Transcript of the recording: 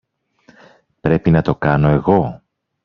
Πρέπει να το κάνω εγώ